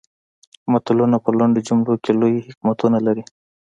متلونه په لنډو جملو کې لوی حکمتونه لري